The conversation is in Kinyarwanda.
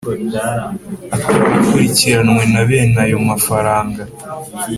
atarakurikiranwe na bene ayo mafaranga.